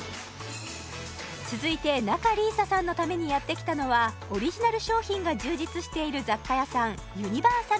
続いて仲里依紗さんのためにやってきたのはオリジナル商品が充実している雑貨屋さん